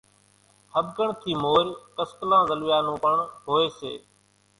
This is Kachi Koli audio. ۿٻڪڻ ٿِي مورِ ڪسڪلان زلوِيا نون پڻ هوئيَ سي۔